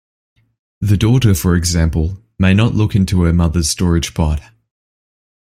The daughter, for example, may not look into her mother's storage pot.